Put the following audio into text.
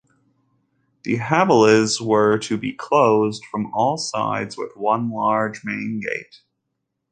The havelis were to be closed from all sides with one large main gate.